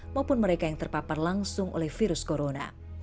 maupun mereka yang terpapar langsung oleh virus corona